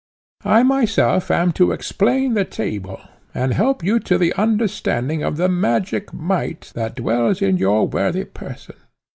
I myself am to explain the table, and help you to the understanding of the magic might that dwells in your worthy person!